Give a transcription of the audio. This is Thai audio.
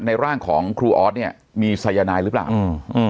ร่างของครูออสเนี่ยมีสายนายหรือเปล่าอืม